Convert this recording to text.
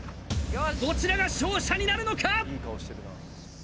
どちらが勝者になるのか